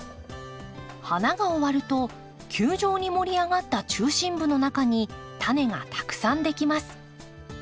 花が終わると球状に盛り上がった中心部の中にタネがたくさんできます。